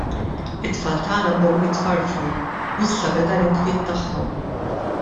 It-tfal tagħna bdew jitfarfru u issa beda l-inkwiet tagħhom.